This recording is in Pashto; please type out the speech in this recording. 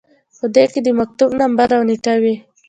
په دې کې د مکتوب نمبر او نیټه وي.